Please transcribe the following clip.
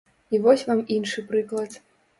І вось вам іншы прыклад.